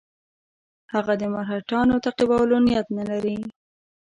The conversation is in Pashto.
هغه د مرهټیانو تعقیبولو نیت نه لري.